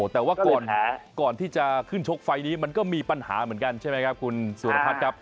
แต่ว่าก่อนที่จะขึ้นชกไฟนี้ก็มีปัญหาไหมครับคุณสุริภัณฑ์ครับ